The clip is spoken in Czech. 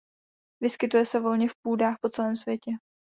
Vyskytuje se volně v půdách po celém světě.